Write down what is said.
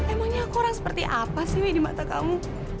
emangnya aku orang seperti apa sih di mata kamu